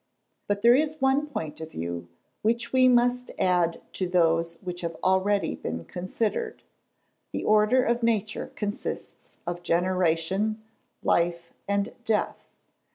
But there is one point of view, which we must add to those which have already been considered: the order of nature consists of generation, life, and death.